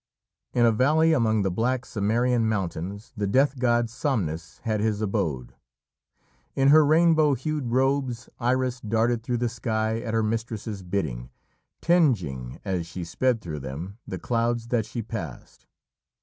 In a valley among the black Cimmerian mountains the death god Somnus had his abode. In her rainbow hued robes, Iris darted through the sky at her mistress's bidding, tingeing, as she sped through them, the clouds that she passed.